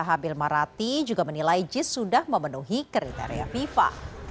habil marati juga menilai jis sudah memenuhi kriteria fifa